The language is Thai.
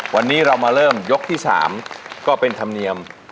วันนี้เรามาเริ่มยกที่๓ก็เป็นธรรมเนียม